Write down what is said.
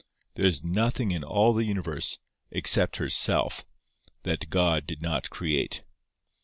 There is nothing in all the universe, except herself, that God did not create.